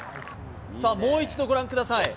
さあ、もう一度ご覧ください。